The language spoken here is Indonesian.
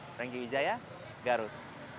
terima kasih widzaya garut